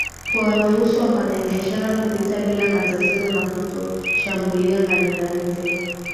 kuwaruhusu wafanyabiashara kupita bila matatizo na kutoshambulia majirani tena